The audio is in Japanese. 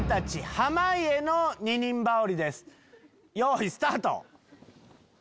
よいスタート！